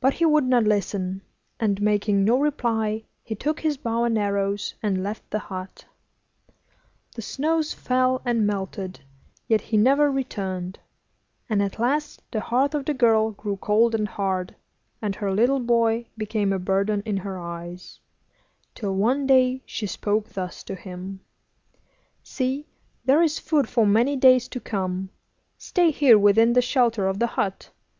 But he would not listen, and, making no reply, he took his bow and arrows and left the hut. The snows fell and melted, yet he never returned; and at last the heart of the girl grew cold and hard, and her little boy became a burden in her eyes, till one day she spoke thus to him: 'See, there is food for many days to come. Stay here within the shelter of the hut.